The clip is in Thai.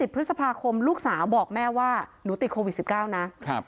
พฤษภาคมลูกสาวบอกแม่ว่าหนูติดโควิด๑๙นะ